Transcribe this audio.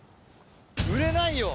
売れないよ！